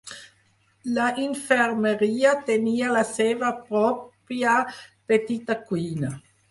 La infermeria tenia la seva pròpia petita cuina.